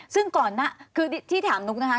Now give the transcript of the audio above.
ซึ่งก่อนหน้าคือที่ถามนุ๊กนะคะ